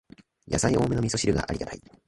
やさい多めのみそ汁がありがたい